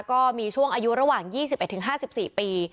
ก็มีช่วงอายุระหว่าง๒๑๕๔ปี